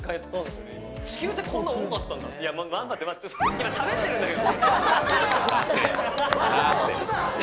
今、しゃべってるんだけど！